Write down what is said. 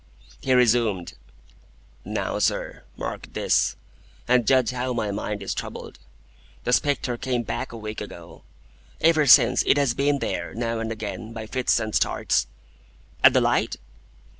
He resumed. "Now, sir, mark this, and judge how my mind is troubled. The spectre came back a week ago. Ever since, it has been there, now and again, by fits and starts." "At the light?"